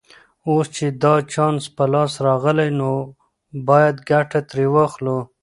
اوس چې دا چانس په لاس راغلی نو باید ګټه ترې واخلو